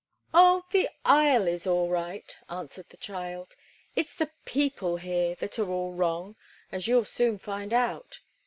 "Oh, the Isle is all right," answered the child. "It's the people here that are all wrong, as you'll soon find out.